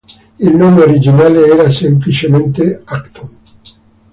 Il nome originale era semplicemente Acton.